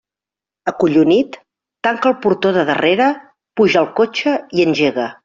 Acollonit, tanca el portó de darrere, puja al cotxe i engega.